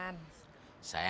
saya nggak tahu